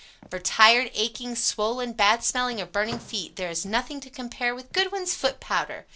] For tired, aching, swollen, bad smelling or burning feet there is nothing to compare with Goodwin's Foot powder.